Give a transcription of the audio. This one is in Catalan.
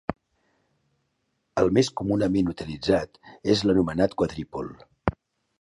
El més comunament utilitzat és l'anomenat quadripol.